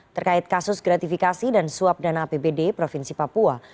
terkait kasus gratifikasi dan suap dana apbd provinsi papua